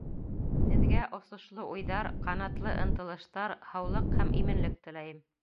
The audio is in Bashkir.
Һеҙгә осошло уйҙар, ҡанатлы ынтылыштар, һаулыҡ һәм именлек теләйем!